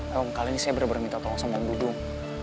ya om kali ini saya bener bener minta tolong sama om dudung